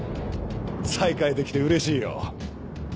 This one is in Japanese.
再会できてうれしいよ。